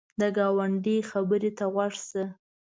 د ګاونډي خبر ته غوږ شه